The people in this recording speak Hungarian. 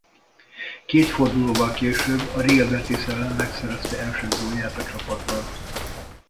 Két fordulóval később a Real Betis ellen megszerezte első gólját a csapatban.